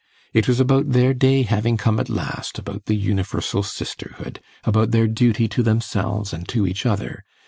It was about their day having come at last, about the universal sisterhood, about their duty to themselves and to each other.